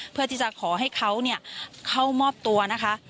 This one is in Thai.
เพื่อที่จะขอให้เขาเข้ามอบตัวนะคะ